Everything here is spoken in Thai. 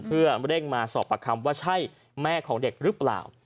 เพื่อเร่งมาสอบประคำว่าใช่แม่ของเด็กหรือเปล่า